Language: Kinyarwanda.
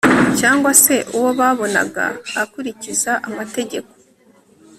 cyangwa se uwo babonaga akurikiza amategeko